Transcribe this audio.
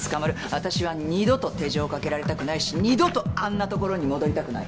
私は二度と手錠かけられたくないし二度とあんな所に戻りたくない。